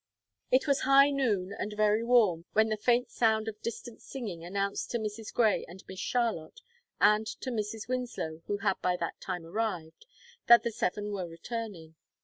It was high noon, and very warm, when the faint sound of distant singing announced to Mrs. Grey and Miss Charlotte and to Mrs. Winslow, who had by that time arrived, that the seven were returning.